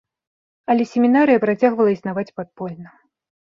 Але семінарыя працягвала існаваць падпольна.